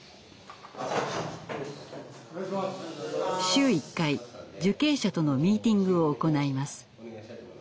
週１回受刑者とのミーティングを行います。